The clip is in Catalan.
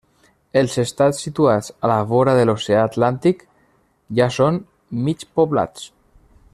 Els estats situats a la vora de l'oceà Atlàntic ja són mig poblats.